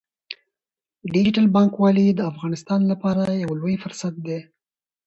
ډیجیټل بانکوالي د افغانستان لپاره یو لوی فرصت دی۔